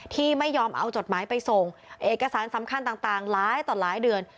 ที่ไม่ยอมเอาจดหมายไปส่งเอกสารสำคัญต่างหลายต่อหลายเดือน